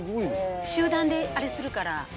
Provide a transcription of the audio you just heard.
集団であれするから。